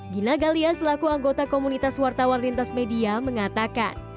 gina galia selaku anggota komunitas wartawan lintas media mengatakan